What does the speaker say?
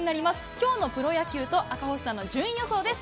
きょうのプロ野球と、赤星さんの順位予想です。